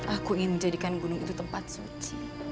aku ingin menjadikan gunung itu tempat suci